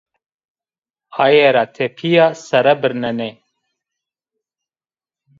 Aye ra tepîya sere birnenê